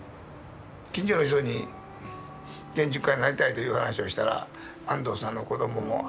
近所の人に建築家になりたいという話をしたら安藤さんの子どもも頭がおかしくなったねと。